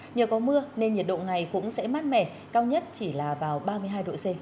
nhờ có mưa nên nhiệt độ ngày cũng sẽ mát mẻ cao nhất chỉ là vào ba mươi hai độ c